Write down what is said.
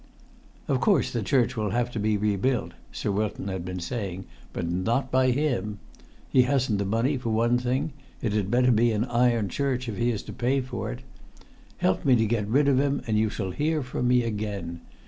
"Of course, the church will have to be rebuilt," Sir Wilton had been saying; "but not by him. He hasn't the money, for one thing; it had better be an iron church, if he is to pay you for it. Help me to get rid of him, and you shall hear from me again.